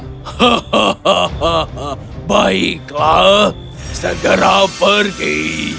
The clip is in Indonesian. hahaha baiklah segera pergi